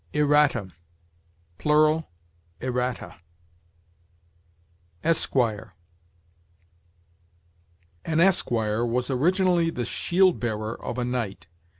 ERRATUM. Plural, errata. ESQUIRE. An esquire was originally the shield bearer of a knight.